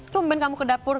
tumben kamu ke dapur